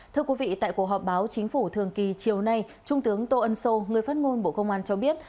thưa quý vị tại cuộc họp báo chính phủ thường kỳ chiều nay trung tướng tô ân sô người phát ngôn bộ công an cho biết